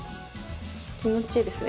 気持ちいいですね